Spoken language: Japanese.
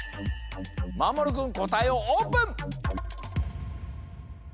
まもるくんこたえをオープン！